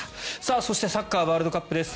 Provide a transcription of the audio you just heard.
そしてサッカーワールドカップです。